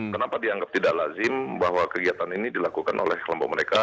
kenapa dianggap tidak lazim bahwa kegiatan ini dilakukan oleh kelompok mereka